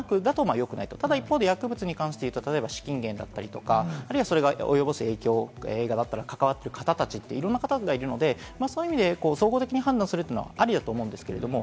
よくない、ただ一方、薬物に関して資金源だったり、それが及ぼす影響、映画だったら関わっている方たち、いろんな方がいるので、そういう意味で総合的に判断するのはありだと思います。